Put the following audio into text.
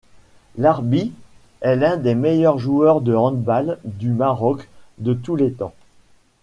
Larbi est l'un des meilleurs joueurs de handball du Maroc de tous les temps.